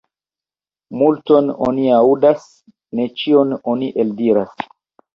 Multon oni aŭdas, ne ĉion oni eldiras.